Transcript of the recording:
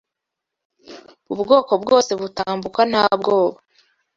Ubwoko bwose butambuka nta bwoba